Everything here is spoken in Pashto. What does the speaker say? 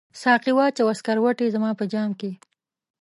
ساقي واچوه سکروټي زما په جام کې